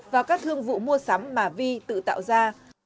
vào các thương vụ mua sắm mà vi tự tạo ra